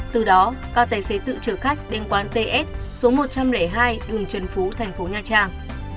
từ đó các tài xế tự chở khách đến quán ts số một trăm linh hai đường trần phú thành phố nha trang